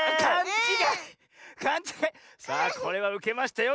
さあこれはウケましたよ。